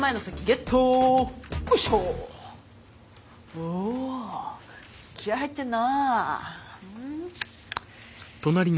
お気合い入ってんな。